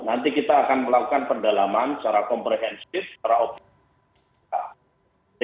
nanti kita akan melakukan pendalaman secara komprehensif secara optimal